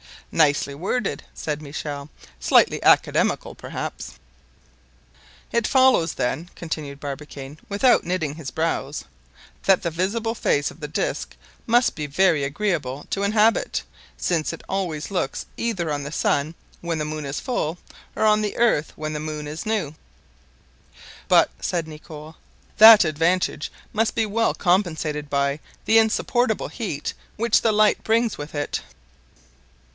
"Nicely worded!" said Michel, "slightly academical perhaps." "It follows, then," continued Barbicane, without knitting his brows, "that the visible face of the disc must be very agreeable to inhabit, since it always looks on either the sun when the moon is full, or on the earth when the moon is new." "But," said Nicholl, "that advantage must be well compensated by the insupportable heat which the light brings with it."